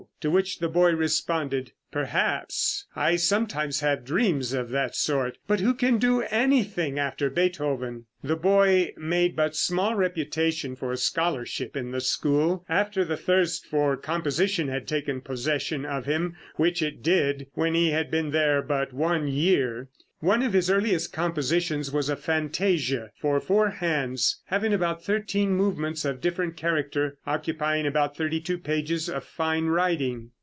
To which the boy responded: "Perhaps; I sometimes have dreams of that sort; but who can do anything after Beethoven?" The boy made but small reputation for scholarship in the school, after the thirst for composition had taken possession of him, which it did when he had been there but one year. One of his earliest compositions was a fantasia for four hands, having about thirteen movements of different character, occupying about thirty two pages of fine writing.